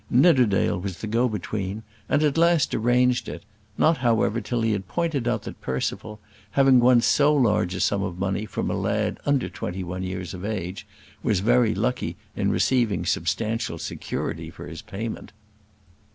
Nidderdale was the go between, and at last arranged it, not however till he had pointed out that Percival, having won so large a sum of money from a lad under twenty one years of age, was very lucky in receiving substantial security for its payment.